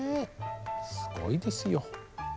すごいですよ。